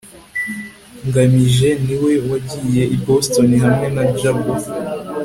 ngamije niwe wagiye i boston hamwe na jabo